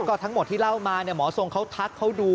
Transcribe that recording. ก็ทั้งหมดที่เล่ามาหมอทรงเขาทักเขาดู